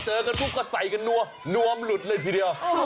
พอเจอกันพวกเขาใส่กันนวมหลุดเลยทีเดียว